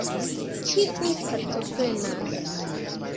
Kiu partoprenas?